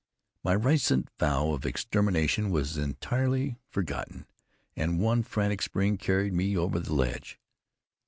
My recent vow of extermination was entirely forgotten and one frantic spring carried me over the ledge.